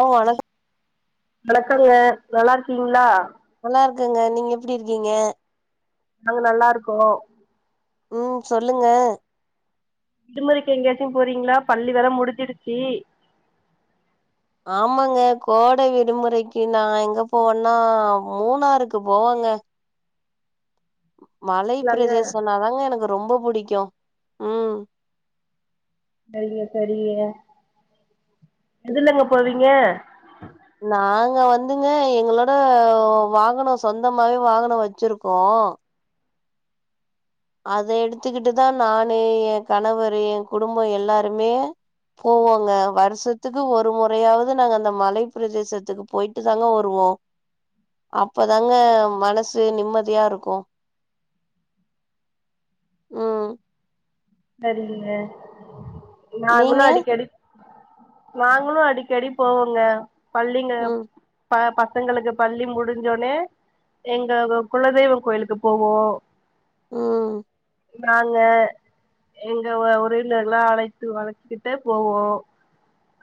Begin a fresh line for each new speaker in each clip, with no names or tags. ஓ வணக்
வணக்கங்க நல்லாருக்கீங்ளா
நல்லார்கங்க நீங்க எப்டி இருக்கீங்க
நாங்க நல்லாருக்கோ
ம் சொல்லுங்க
விடுமுறைக்கு எங்கயாச்சு போறீங்களா பள்ளி வேற முடுஞ்சுடுச்சி
ஆமாங்க கோடை விடுமுறைக்கு நா எங்க போவன்னா மூணாறுக்கு போவே ங்க மலை
ங்களாங்க
பிரதேசனாதாங்க எனக்கு ரொம்ப புடிக்கு ம்
சரிங்க சரிங்க எதுலங்க போவீங்க
நா நாங்க வந்துங்க எங்களோட வாகனோ சொந்தமாவே வாகனோ வச்சுருக்கோ அத எடுத்துக்கிட்டு தா நானு எ கணவரு எ குடும்போ எல்லாருமே போவோங்க வருஷத்துக்கு ஒரு முறையாவது நாங்க அந்த மலை பிரதேசத்துக்கு போய்ட்டு தாங்க வருவோ வோ அப்பதாங்க மனசு நிம்மதியா இருக்கு ம்
சரிங்க நாங்களு
நீங்க
அடிக்கடி நாங்களு அடிக்கடி போவோங்க பள்ளிங்க
ம்
ப ப பசங்களுக்கு பள்ளி முடுஞ்சோனே எங்க குலதெய்வொ கோயிலுக்கு போவோ
ம்
நாங்க எங்க உறவினர்கல்லா அழைத்து வழச்சுக்கிட்டு போவோ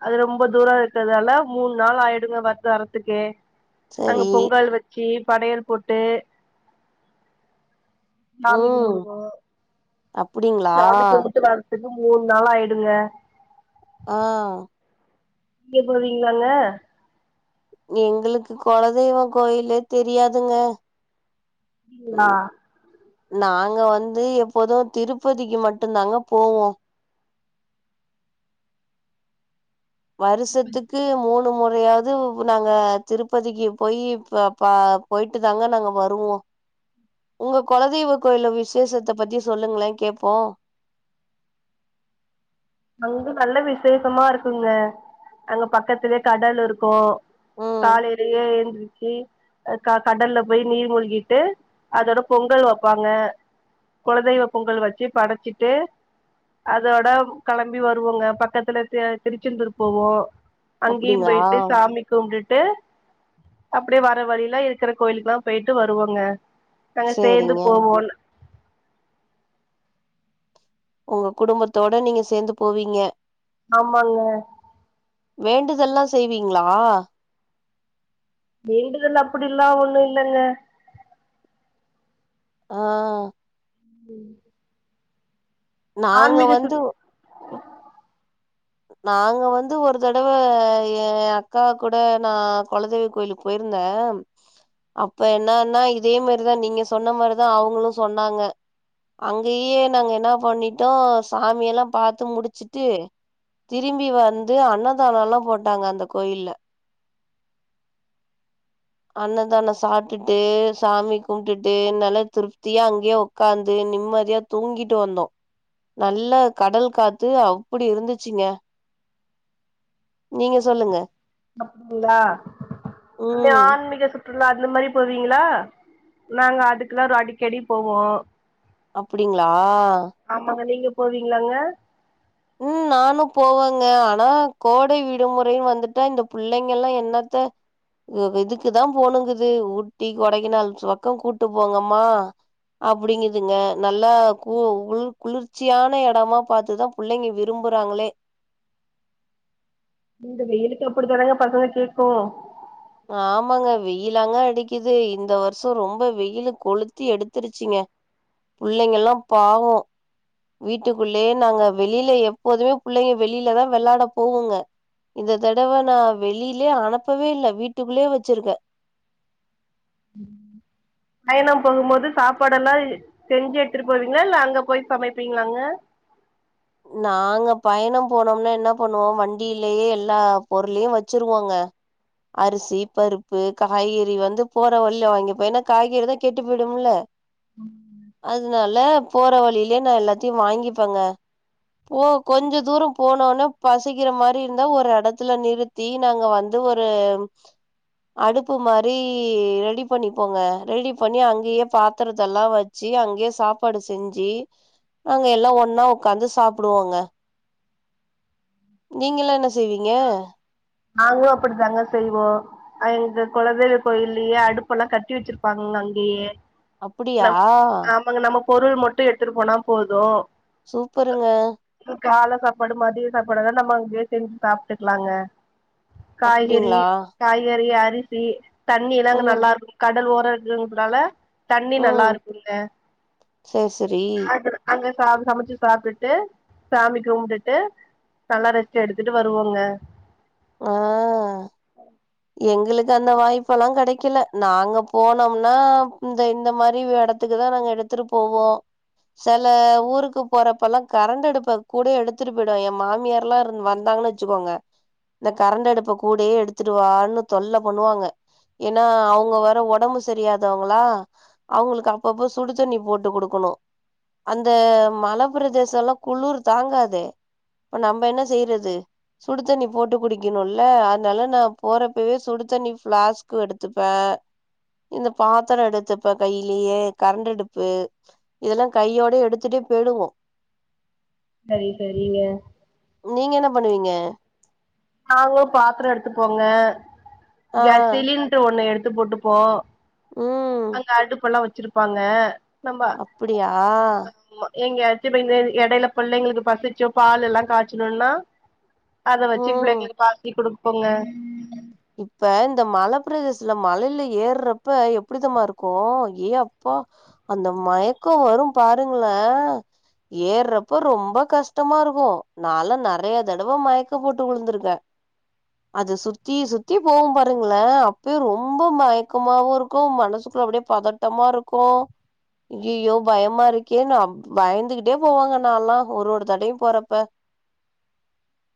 அது ரொம்ப தூரோ இருக்கதால மூண் நாள் ஆய்டுங்க வந்து அரறதுக்கே
சரி
அங்க பொங்கல் வச்சு படையல் போட்டு சாமி
ம்
கும்பிடுவோ
அப்டிங்களா
சாமி கும்புட்டு வ திருப்பியு மூண் நாள் ஆயிடுது
ஆ
நீங்க போவீங்களாங்க
எங்களுக்கு குலதெய்வ கோயிலே தெரியாதுங்க
அப்டிங்ளா
ம். நாங்க வந்து எப்போது திருப்பதிக்கு மட்டுந் தாங்க போவோ வருஷத்துக்கு மூண் முறையாவது நாங்க திருப்பதிக்கு போயி ப போயிட்டு தாங்க நாங்க வருவோ உங்க குலதெய்வ கோயில்ல விசேஷத்த பத்தி சொல்லுங்களேன் கேப்போ
அங்க நல்ல விசேஷமா இருக்குங்க அங்க பக்கத்திலயே கடல் இருக்கு
ம்
காலையிலயே எந்திரிச்சு க கடல்ல போய் நீர் மூழ்கிட்டு அதோட பொங்கல் வெப்பாங்க குலதெய்வ பொங்கல் வெச்சு படச்சிட்டு அதோட கெளம்பி வருவோங்க பக்கத்துல திருச்செந்தூர் போவோ அங்கேயும்
அப்டிங்களா
போயிட்டு சாமி கும்பிட்டுட்டு அப்படியே வர வழில இருக்கிற கோயிலுக்கெல்லா போயிட்டு வருவோங்க நாங்க சேர்ந்து
சேரிங்க
போவோ
உங்க குடும்பத்தோட நீங்க சேந்து போவீங்க
ஆமாங்க
வேண்டுதலெல்லா செய்வீங்ளா
வேண்டுதல் அப்படி எல்லா ஒண்ணு இல்லங்க
ஆ
ம்
நாங்க வந்து நாங்க வந்து ஒரு தடவ ஏ அக்கா கூட நா குலதெய்வ கோயிலுக்கு போயிரு ந்த அப்ப என்னனா இதே மாரிதா நீங்க சொன்ன மாரிதா அவுங்களு சொன்னாங்க அங்கயே நாங்க என்ன பண்ணிட்டோ சாமியெல்லா பாத்து முடிச்சிட்டு திரும்பி வந்து அன்னதானொல்லா போட்டாங்க அந்த கோயில்ல அன்னதானோ சாப்பிட்டுட்டு சாமி கும்பிட்டுட்டு நல்லா திருப்தியா அங்கயே உக்காந்து நிம்மதியா தூங்கிட்டு வந்தோ நல்ல கடல் காத்து அப்படி இருந்துச்சுங்க
[inaudible]
நீங்க சொல்லுங்க
அப்டிங்ளா
ம்
ஆன்மீக சு ற்றுலா அந்த மாரி போவீங்களா நாங்க அதுக்கெல்லாரு அடிக்கடி போவோ
அப்டிங்ளா
ஆமாங்க நீங்க போவீங்களாங்க
ம் நானு போவங்க ஆனா கோடை விடுமுறைன்னு வந்துட்டா இந்த புள்ளைங்க எல்லா என்னத்த இதுக்குதா போணுங்குது ஊட்டி கொடைக்கனல் பக்கோ கூட்டு போங்கம்மா அப்படிங்குதுங்க நல்லா கு கு குளிர்ச்சியான எடமா பாத்துதா புள்ளைங்க விரும்புறாங்ளே
இந்த வெயிலுக்கு அப்படி தானுங்க பசங்க கேட்கு
ஆமாங்க வெயிலாங்க அடிக்குது இந்த வருஷோ ரொம்ப வெயிலு கொளுத்தி எடுத்திருச்சிங்க புள்ளைங்க எல்லா பாவோ வீட்டுகுள்ளயே நாங்க வெளில எப்போதுமே புள்ளைங்க வெளிலதா வெளாட போகுங்க இந்த தடவ நா வெளிலயே அனுப்பவே இல்ல வீட்டுக்குள்ளயே வெச்சிருக்கே
ம் பயணம் போகும்போது சாப்பாடெல்லா செஞ்சு எடுத்துட்டு போவீங்ளா இல்ல அங்க போய் சமைப்பீங்களாங்க சம
நாங்க பயணோ போனோம்னா என்ன பண்ணுவோ வண்டியிலயே எல்லா பொருளையோ வச்சிருவாங்க அரிசி பருப்பு காய்கறி வந்து போற வழில வாங்கிப்பே ஏன்னா காய்கறி தா கெட்டு போயிடும்ல
ம்
அதுனால போற வழிலயே நா எல்லாத்தையு வாங்கிப்பேங்க போ கொஞ்ச தூர போனோனா பசிக்கிற மாரி இருந்தா ஒரு எடத்துல நிறுத்தி நாங்க வ ந்து ஒரு அடுப்பு மாரி ரெடி பண்ணிப்போங்க ரெடி பண்ணி அங்கயே பாத்திரதெல்லா வெச்சு அங்கேயே சாப்பாடு செஞ்சு அங்க எல்லா ஒன்னா உக்காந்து சாப்புடுவோங்க நீங்க எல்லா என்ன செய்வீங்க
நாங்களு அப்படித்தாங்க செய்வோ அ இது கொலதெய்வ கோயில்லயே அடுப்பு எல்லா கட்டி வெச்சிருப்பாங்க அங்கேயே
அப்டியா
பொருள் மட்டு எத்துட்டு போனா போது
சூப்பருங்க
கால சாப்பாடு மதிய சாப்பாடு எல்லா நம்ம அங்கயே செஞ்சு சாப்ட்டுக்குலாங்க காய்கறி
அப்டிங்களா
காய்கறி அரிசி தண்ணி எல்லா அங்க
ம்
நல்லா இரு கடல் ஓ கடல் இருக்குறனால தண்ணி நல்லா
ம்
இருக்கும்ங்க
சேர் செரி
அ அங்க [unintelligible] சமச்சு சாப்ட்டுட்டு சாமி கும்ட்டுட்டு நல்லா ரெஸ்ட் எடுத் துட்டு வருவோங்க
ஆ எங்களுக்கு அந்த வாய்ப்புலா கெடைக்கல நாங்க போனோம்னா இந்த இந்த மாரி எடத்துக்குதா நாங்க எடுத்துட்டு போவோ செல ஊருக்கு போறப்ப எல்லா கரண்ட் அடுப்ப கூடயே எடுத்துட்டு போய்டுவோ எ மாமியார் எல்லா இரு வந்தா கனு வச்சுக்கோங்க
[inaudible]
இந்த கரண்ட் அடுப்ப கூடயே எடுத்துடுவான்னு தொல்ல பண்ணுவாங்க ஏன்னா அவங்க வேற ஒடம்பு சரியாதவங்களா அவங்களுக்கு அப்பப்போ சுடு தண்ணி போட்டு கொடுக்க ணு அந்த மலப்பிரதேச எல்லா குளிர் தாங்காதே இப்ப நம்ம என்ன செய்றது சுடுத்தண்ணி போட்டு குடிக் கணுல்ல அதனால நா போறப்பவே சுடுதண்ணி ஃபிளாஸ்க் எடுத்துப்பே இந்த பாத்திர எடுத்துப்பே கையிலயே கரண்ட் அடுப்பு இதெல்லா கையோட எடுத்துட்டு போயிடுவோ
சரி சரிங்க
நீங்க என்ன பண்ணுவீங்க
நாங்களு பாத்திரோ எடுத்துப்போங்க
ஆ
கேஸ் சிலிண்ட்ரு ஒண்ணு எடுத்து போட்டுப்போ
ம்
அங்க அடுப்பெல்லா வெச்சிருப்பாங்க
அப்டியா
எங்கெயாச்சு இப்ப எடையுல பிள்ளைங்களுக்கு பசிச்சோ பால் எல்லா காச்சணுனா அத ச்சு
ம்
பிள்ளைங்களுக்கு பாசி கொடுப்போங்க
இப்ப இந்த மலப்பிரதேசல மழையில ஏற்றப்ப எப்டிதமா இருக்கு ஏ அப்போ அ அந்த மயக்கோ வரு பாருங்களே ஏற்றப்ப ரொம்ப கஷ்டமா இருக்கு நாலா நெறைய தடவ மயக்க போட்டு உழுந்துருக்கே அது சுத்தி சுத் தி போவு பாருங்களே அப்பயே ரொம்போ மயக்கமாவு இருக்கு மனசுக்குள்ள அப்டியே பதட்டமா இருக்கு கு ஐயோ பயமா இருக்கே நா பயந்துகிட்டே போவேங்க நால்லா ஒரு ஒரு தடையு போறப்ப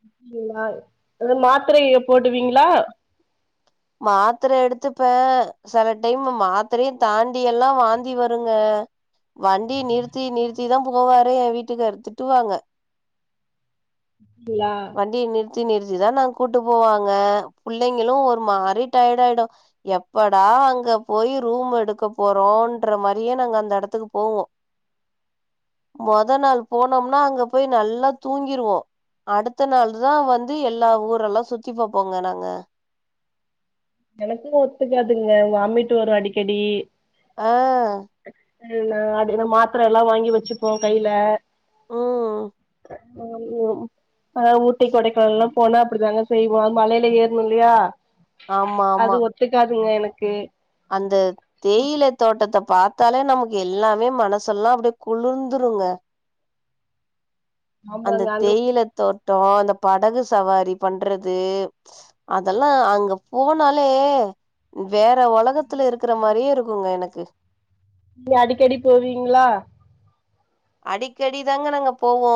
அப்டிங்களா அந்த மாத்திரைய போடுவீங்களா
மாத்திர எடுத்துப்பே சில டைம் மாத்திரையு தாண்டி எல்லா வாந்தி வருங்க வண்டி நிறுத்தி நிறுத்திதா போவாரு எ வீட்டுக்காரர் திட்டுவாங்க
ங்களா
வண்டிய நிறுத்தி தா நாங்க கூட்டு போவாங்க புள்ளைங்களு ஒரு மாறி டயர்ட் ஆயிடு எப்படா அங்க போய் ரூம் எடுக்க போறோன்ற மாரியே நாங்க அந்த எடத்துக்கு போவோ மொத நாள் போனோம்னா அங்க போய் நல்லா தூங்கிருவோ அடுத்த நாள் தா வந்து எல்லா ஊரெல்லா சுத்தி பாப்போங்க நாங்க
எனக்கு ஒத்துக்காதுங்க வாமிட்டு வரு அடிக்கடி
ஆ
ங்க அதுல மாத்துர எல்லா வாங்கி வச்சுப்போ கையில
ம்
அ ம் ஆனா ஊட்டி கொடைக்கானலெல்லா போனா அப்டித்தாங்க செய்வோ மழையில ஏறணு இல்லையா
ஆமா
அது
ஆமா
ஒத்துக்காதுங்க எனக்கு
அந்த தேயில தோட்டத்த பாத்தாலே நமக்கு எல்லாமே மனசெல்லாம் அப்டியே குளுந்துருங்க அந்த
ஆமாங்க அங்க
தேயில தோட் டோ அந்த படகு சவாரி பண்றது அதெல்லா அங்கப் போனாலே வேற ஒலகத்துல இருக்குற மாரியே இருக்குங்க எனக்கு
நீங்க அடிக்கடி போவீங்ளா
அடிக்கடி தாங்க நாங்க போவோ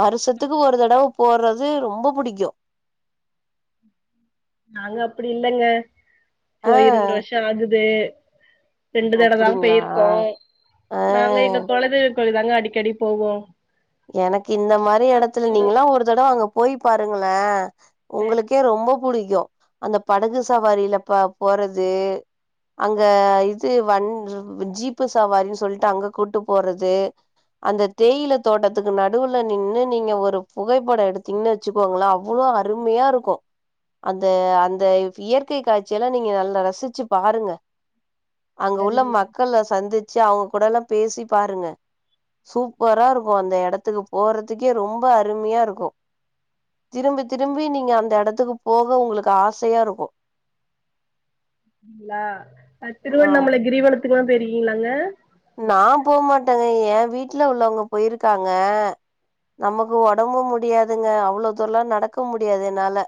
வருஷத்துக்கு ஒரு தடவ போறது ரொம்ப புடிக்கு
ம் நாங்க அப்டி இல்லங்க
ஆ
போயி ரெண்டு வருஷோ ஆகுது ரெண்டு தடவ தா
அப்டிங்களா
போயிருக்கோ
ஆ
நாங்க இங்க கொலதெய்வ கோயில் தாங்க அடிக்கடி போவோ
எனக்கு இந்த மாரி எடத்துல
அப்புறோ
நீங்கல்லா ஒரு தடவ அங்க போயி் பாருங்களே உங்களுக்கே ரொம்ப புடிக்கு அந்த படகு சவாரில பா போறது அங்க இது வண் ஜீப்பு சவாரின்னு சொல்ட்டு அங்க கூட்டுட் போறது அந்த தேயில தோட்டத்துக்கு நடுவுல நின்னு நீங்க ஒரு புகைப்படோ எடுத்தீங்கன்னு வச்சுக்கோங்களே அவ்ளோ அருமையா இருக்கூ அந்த அந்த இயற்கை காய்சி எல்லா நீங்க நல்லா ரசிச்சு பாருங்க அங்க உள்ள
சரிங்க
மக்கள சந்துச்சு அவுங்க கூடல்லா பேசி பாருங்க சூப்பரா இருக் கு அந்த எடத்துக்கு போறதுக்கே ரொம்ப அருமையா இருக்கூ திரும்பி திரும்பி நீங்க அந்த எடத்துக்கு போக உங்களுக்கு ஆசையா இருக்கூ
ஆ அ
ஆம்
திருவண்ணாமலை கிரிவளத்துக்லா போயிருக்கீங்களாங்க
நா போ மாட்டேங்க ஏ வீட்டுல உள்ளவங்க போயிருக்காங்க நமக்கு ஒடம்பு முடியாதுங்க அவ்ளோ தூரல்லா நடக்க முடியாது என்னால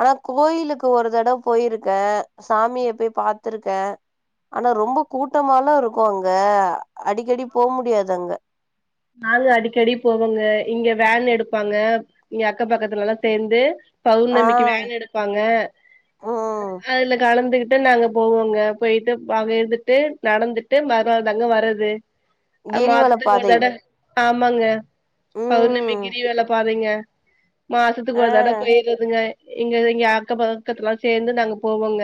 ஆனா கோயிலுக்கு ஒரு தடவ போயிருக்கே சாமிய போய் பாத்துருக்கே ஆனா ரொம்ப கூட்டமால்ல இருக்கூ அங்க அடிக்கடி போ முடியாது அங்க
நாங்க அடிக்கடி போவோங்க இங்க வேன் எடுப் ப்பாங்க இங்க அக்க பக்கத்துலெல்லா சேந்து
ஆ
பௌர்ணமிக்கு வேன் எடுப்பாங்க
ம்
அதுல கலந்துகிட் ட்டு நாங்க போவோங்க போயிட்டு பகிர்ந்துட்டு நடந்துட்டு மறுநாள் தாங்க வரது அ
கிரிவல
மாசத்துக்கு ஒரு
பாதை
தட ஆமாங்க பௌர்ணமி
ம்
கிரி வல பாதெங்க மாசத்துக்கு
ஆ
ஒரு தட போயிரதுங்க இங்க இங்க அக்க பக்கத்துல்லா சேந்து நாங்க போவோங்க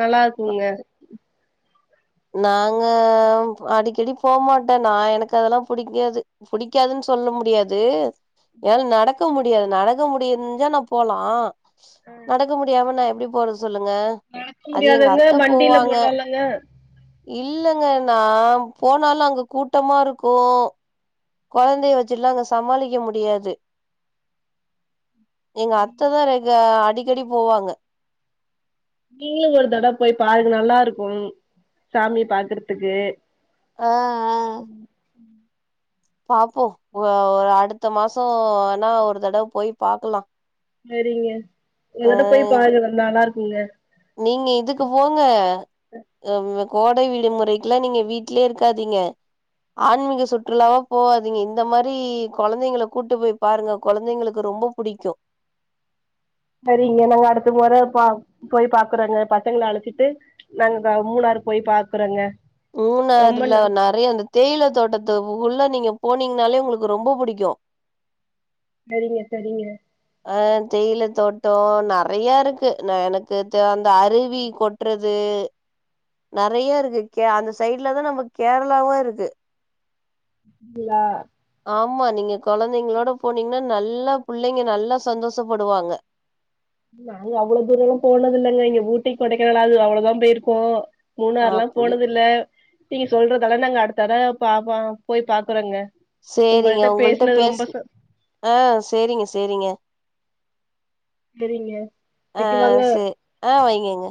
நல்லா இருக்குங்க
நாங்க அடிக்கடி போமாட்டே நா எனக்கு அதெல்லா புடிக்காது புடிக்காதுன்னு சொ சொல்ல முடியாது என்னால நடக்க முடியாது நடக்க முடிஞ்சா நா போலா நடக்க முடியாம நா எப்படி போறது சொல்லுங்க
நடக்க
அது எங்க
முடியாதவங்க
அத்தை
வண்டில
போவாங்க
போலால்லங்க
இல்லங்க நா போனாலு அங்க கூட்டமா இருக்கு கொழந்தைய வெச்சுட்டுல்லா அங்க சமாளிக்க முடியாது எங்க அத்தைதா ரெகு அடிக்கடி போவாங்க
நீங்களு ஒரு தடவ போய் பாருங்க நல்லா இருக்கு சாமி பாக்குறதுக்கு
ஆ ஆ பாப்போ ஒ ஒ அடுத்த மாச வேனா ஒரு தடவ போய் பாக்கலா
செரிங்க ஒரு
ஆ
தடவ போய் பாருங்க நல்லா இருக்குங்க
நீங்க இதுக்கு போங்க எம் கோடை விடுமுறைக்குலா நீங்க வீட்லயே இருக்காதிங்க ஆன்மீக சுற்றுலாவா போகாதிங்க இந்த மாரி கொழந்தைங்கள கூட்டு போய் பாருங்க கொழந்தைங்களுக்கு ரொம்ப புடிக்கு
சரிங்க நாங்க அடுத்த முறை ப போய் பாக்கறங்க பசங்கள அழைச்சிட்டு நாங்க மூணா போய் பாக்குறங்க
மூனாருல நறைய அந்த தேயில தோட்டத்து உள்ள நீங்க போனீங்னாலே உங்களுக்கு ரொம்ப புடிக்கு
சரிங்க சரிங்க
அ தேயில தோட்டோ நர் நறையா இருக்கு நா எனக்கு தேந்த அருவி கொட்டுறது நறைய இருக்கு கே அந்த சைட்லதா நம்க்கு கேரளாவு இருக்கு
இல்லா
ஆமா நீங்க கொழந்தைங்ளோட போனீங்கன்னா நல்லா பிள்ளைங்க நல்லா சந்தோஷப்படுவாங்க
நாங்க அவ்வுளோ தூரலா போனது இல்லங்க இங்க ஊட்டி கொடைக்கலாவது அவ்ளோதா போயிருக்கோ மூணாறு எல்லா
அப்டி
போனது இல்ல நீங்க சொல்றதாலாம் நாங்க அடுத்தட பா போய் பாக்குறோங்க
சேரிங்க உங்கள்ட்ட
பேசுனது
பேச
ரொம்ப ச
அ சேரிங்க சேரிங்க
சரிங்க
அ
வைக்கவாங்க
சே அ வைங்கங்க